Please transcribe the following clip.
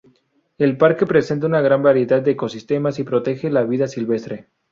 El parque presenta una gran variedad de ecosistemas y protege la vida silvestre.